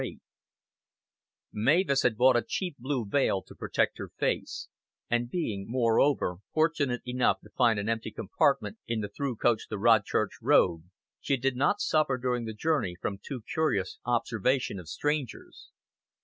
VIII Mavis had bought a cheap blue veil to protect her face, and being, moreover, fortunate enough to find an empty compartment in the through coach to Rodchurch Road, she did not suffer during the journey from too curious observation of strangers.